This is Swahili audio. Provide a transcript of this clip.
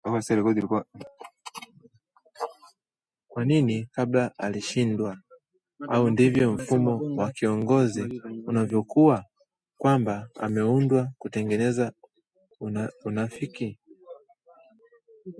Kwa nini kabla alishindwa? Au ndivyo mfumo wa kiungozi unavyokuwa? Kwamba umeundwa kutengeneza unafiki